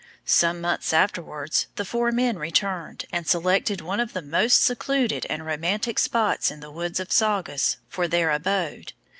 Some months afterwards, the four men returned, and selected one of the most secluded and romantic spots in the woods of Saugus, for their abode.